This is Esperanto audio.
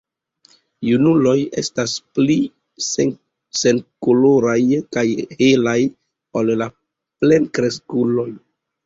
Junuloj estas pli senkoloraj kaj helaj ol la plenkreskuloj.